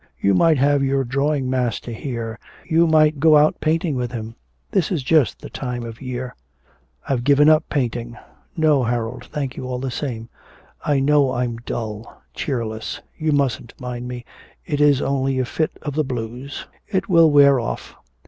You might have your drawing master here, you might go out painting with him. This is just the time of year.' 'I've given up painting. No, Harold, thank you all the same. I know I'm dull, cheerless; you mustn't mind me, it is only a fit of the blues; it will wear off.